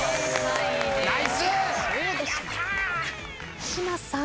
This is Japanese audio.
八嶋さん。